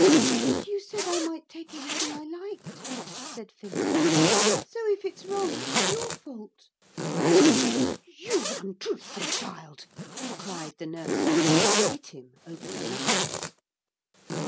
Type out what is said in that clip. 'But you said I might take anything I liked,' said Philip, 'so if it's wrong it's your fault.' 'You untruthful child!' cried the nurse, and hit him over the knuckles.